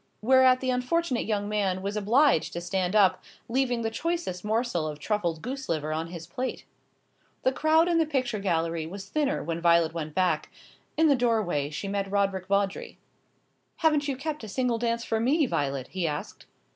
Whereat the unfortunate young man was obliged to stand up, leaving the choicest morsel of truffled goose liver on his plate. The crowd in the picture gallery was thinner when Violet went back. In the doorway she met Roderick Vawdrey. "Haven't you kept a single dance for me, Violet?" he asked.